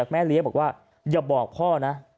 เลี้ยบอกว่าอย่าบอกพ่อนะ